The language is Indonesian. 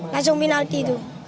langsung penalti itu